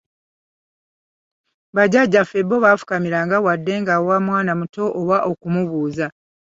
Bajjajjaffe bo baafukamiranga wadde ng'awa mwana muto oba okumubuuza.